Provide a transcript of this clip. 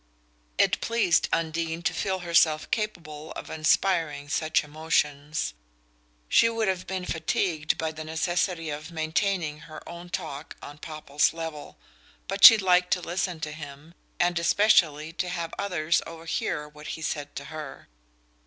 It pleased Undine to feel herself capable of inspiring such emotions. She would have been fatigued by the necessity of maintaining her own talk on Popple's level, but she liked to listen to him, and especially to have others overhear what he said to her.